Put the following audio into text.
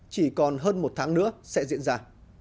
chỉ còn hơn một tháng nữa sẽ diễn ra